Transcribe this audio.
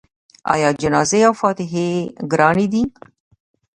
آیا جنازې او فاتحې ګرانې دي؟